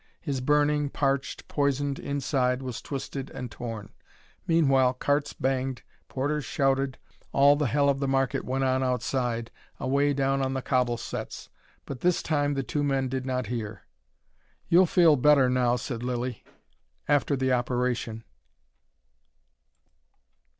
His burning, parched, poisoned inside was twisted and torn. Meanwhile carts banged, porters shouted, all the hell of the market went on outside, away down on the cobble setts. But this time the two men did not hear. "You'll feel better now," said Lilly, "after the operation."